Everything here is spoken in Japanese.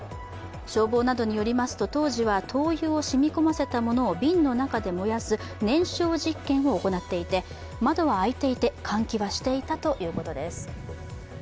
消防などによりますと、当時は灯油を染み込ませたものを瓶の中で燃やす燃焼実験を行っていて、窓は開いていて、換気はしていたということです。